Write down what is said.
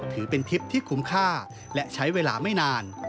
ถือเป็นทริปที่คุ้มค่าและใช้เวลาไม่นาน